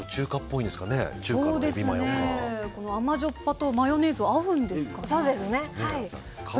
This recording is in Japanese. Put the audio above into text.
甘じょっぱさとマヨネーズ、合うんですかね。